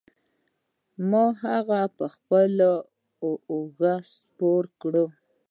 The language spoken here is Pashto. ما هغه په خپلو اوږو سپار کړ.